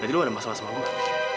jadi lu ada masalah sama gue